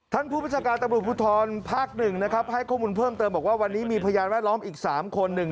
ท่านผู้ประชาการตำรวจภูทรภาค๑นะครับให้ข้อมูลเพิ่มเติมบอกว่าวันนี้มีพยานแวดล้อมอีก๓คนหนึ่ง